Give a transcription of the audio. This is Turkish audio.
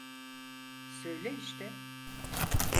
Söyle işte.